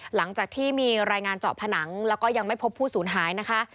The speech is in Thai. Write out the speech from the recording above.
หลังจากที่มีรายงานเจาะผนังแล้วก็ยังไม่พบผู้สูญหายนะคะ